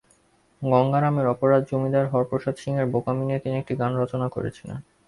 গঙ্গারামের অপরাধ, জমিদার হরপ্রসাদ সিংহের বোকামি নিয়ে তিনি একটা গান রচনা করেছিলেন।